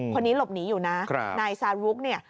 คนนี้หลบหนีอยู่นะนายซารุกเนี่ย